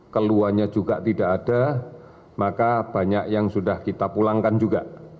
keluhannya juga tidak ada maka banyak yang sudah kita pulangkan juga